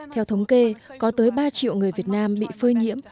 theo thống kê có tới ba triệu người việt nam bị phơi nhiễm